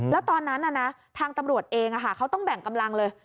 แล้วตอนนั้นทางตำรวจเองเขาต้องแบ่งกำลังเลย